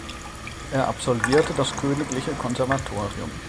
Er absolvierte das königliche Konservatorium.